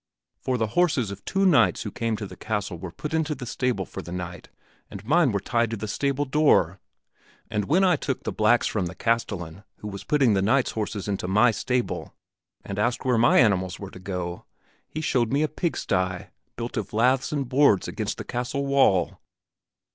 For the horses of two knights who came to the castle were put into the stable for the night and mine were tied to the stable door. And when I took the blacks from the castellan, who was putting the knights' horses into my stable, and asked where my animals were to go, he showed me a pigsty built of laths and boards against the castle wall."